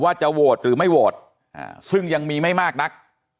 ว่าจะโหวตหรือไม่โหวตซึ่งยังมีไม่มากนัก